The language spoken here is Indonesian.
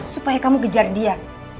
supaya kamu kejar dia